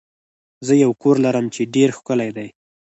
زه یو کور لرم چې ډیر ښکلی دی.